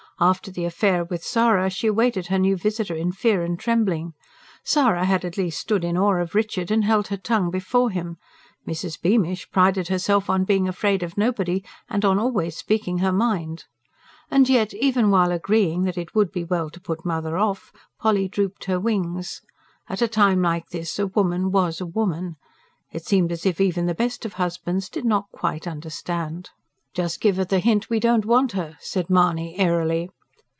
After the affair with Sara she awaited her new visitor in fear and trembling. Sara had at least stood in awe of Richard and held her tongue before him; Mrs. Beamish prided herself on being afraid of nobody, and on always speaking her mind. And yet, even while agreeing that it would be well to put "mother" off, Polly drooped her wings. At a time like this a woman was a woman. It seemed as if even the best of husbands did not quite understand. "Just give her the hint we don't want her," said Mahony airily.